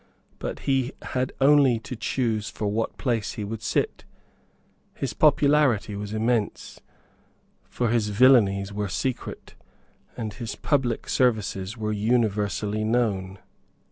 But he had only to choose for what place he would sit. His popularity was immense; for his villanies were secret, and his public services were universally known.